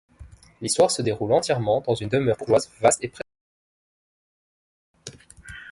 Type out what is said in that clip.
L'histoire se déroule entièrement dans une demeure bourgeoise vaste et presque vide.